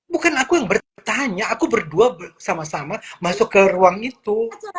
bukan aku yang bertanya aku berdua sama sama masuk ke ruang itu